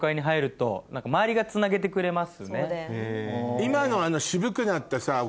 今の。